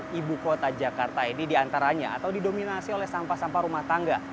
di ibu kota jakarta ini diantaranya atau didominasi oleh sampah sampah rumah tangga